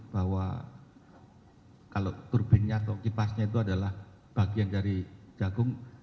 bahwa kalau turbingnya atau kipasnya itu adalah bagian dari jagung